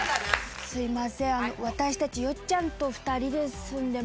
すいません。